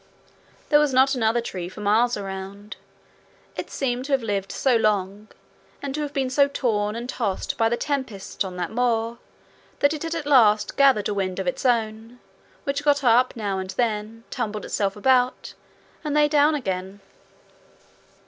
There was not another tree for miles all around. It seemed to have lived so long, and to have been so torn and tossed by the tempests on that moor, that it had at last gathered a wind of its own, which got up now and then, tumbled itself about, and lay down again.